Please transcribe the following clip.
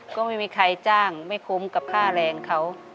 ก็ไม่มีใครจ้างไม่คุ้มกับค่าแรงเขา